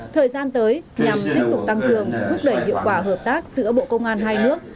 thời gian tới nhằm tiếp tục tăng cường thúc đẩy hiệu quả hợp tác giữa bộ công an hai nước